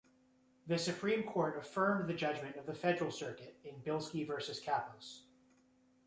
The Supreme Court affirmed the judgment of the Federal Circuit in "Bilski versus Kappos".